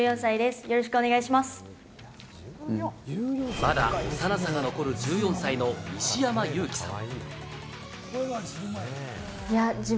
まだ幼さが残る１４歳の西山裕貴さん。